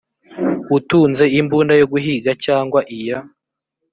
utunze imbunda yo guhiga cyangwa iya